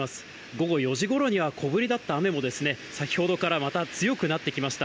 午後４時ごろには小降りだった雨も、先ほどからまた強くなってきました。